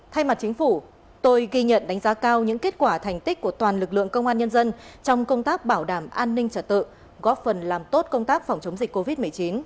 thay mặt chính phủ tôi ghi nhận đánh giá cao những kết quả thành tích của toàn lực lượng công an nhân dân trong công tác bảo đảm an ninh trật tự góp phần làm tốt công tác phòng chống dịch covid một mươi chín